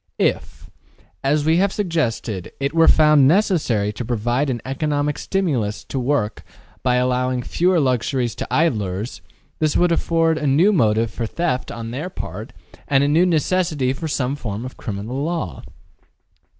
If, as we have suggested, it were found necessary to provide an economic stimulus to work by allowing fewer luxuries to idlers, this would afford a new motive for theft on their part and a new necessity for some form of criminal law.